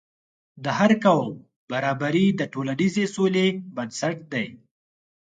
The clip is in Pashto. د هر قوم برابري د ټولنیزې سولې بنسټ دی.